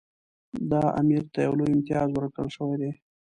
دا امیر ته یو لوی امتیاز ورکړل شوی دی.